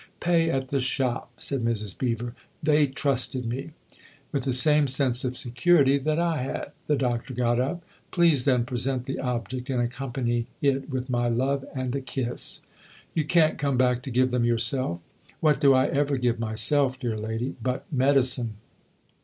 "Pay at the shop," said Mrs. Beever. "They ' trusted ' me." " With the same sense of security that I had !" The Doctor got up. " Please then present the object and accompany it with nyy love and a kiss." " You can't come back to give them yourself? " "What do I ever give ' myself/ dear lady, but medicine